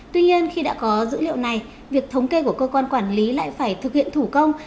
tuy nhiên khi đã có dữ liệu này việc thống kê của cơ quan quản lý lại phải thực hiện thủ công